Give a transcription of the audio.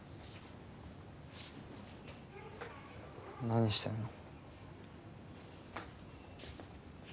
何してんの？